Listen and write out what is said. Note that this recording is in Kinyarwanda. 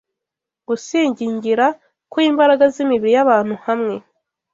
gusigingira kw’imbaraga z’imibiri y’abantu hamwe